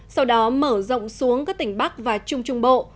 sau đó mở rộng xuống các tỉnh bắc và trung trung bộ